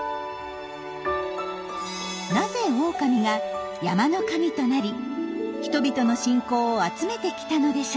なぜオオカミが山の神となり人々の信仰を集めてきたのでしょうか？